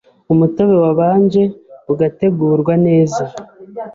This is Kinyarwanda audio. Umutobe wabanje ugategurwa neza